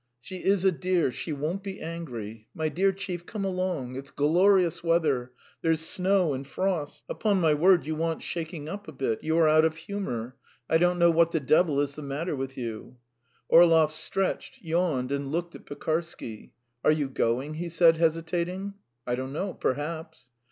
"She is a dear, she won't be angry. My dear chief, come along! It's glorious weather; there's snow and frost. ... Upon my word, you want shaking up a bit; you are out of humour. I don't know what the devil is the matter with you. ..." Orlov stretched, yawned, and looked at Pekarsky. "Are you going?" he said, hesitating. "I don't know. Perhaps."